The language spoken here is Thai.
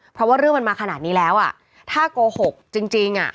เพราะว่าเรื่องมันมาขนาดนี้แล้วถ้าโกหกจริง